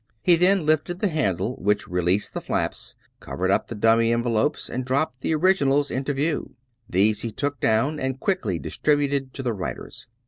He then lifted the handle which released the flaps, covered up the dummy envelopes and dropped the originals into view. These he took down and quickly distributed to the writers.